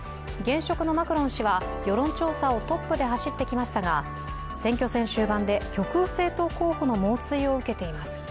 現職のマクロン氏は世論調査をトップで走ってきましたが選挙戦終盤で極右政党候補の猛追を受けています。